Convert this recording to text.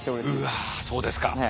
うわあそうですか。